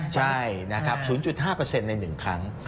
ใช่๐๕ในหนึ่งครั้ง